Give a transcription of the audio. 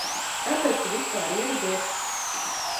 Kāpēc tu vispār ieradies?